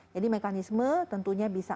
jadi mekanisme tentunya bisa